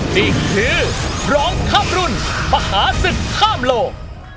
นี่คือร้องข้ามรุ่นมหาศึกข้ามโลก